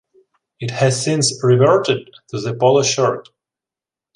It has since reverted to the polo shirt.